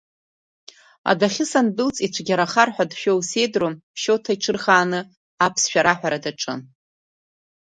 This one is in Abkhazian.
Адәахьы сандәылҵ, ицәгьарахар ҳәа дшәоу сеидру, Шоҭа иҽырхааны аԥсшәа раҳәара даҿын.